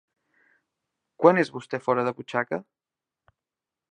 Quant és vostè fora de butxaca?